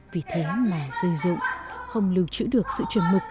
vì thế mà dư dụng không lưu trữ được sự truyền mực